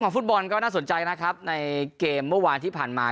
ฟุตบอลก็น่าสนใจนะครับในเกมเมื่อวานที่ผ่านมา